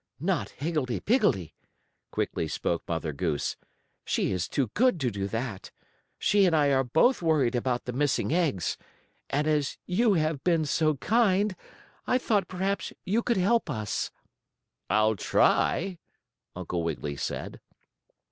"Not Higgledee Piggledee," quickly spoke Mother Goose. "She is too good to do that. She and I are both worried about the missing eggs, and as you have been so kind I thought perhaps you could help us." "I'll try," Uncle Wiggily said.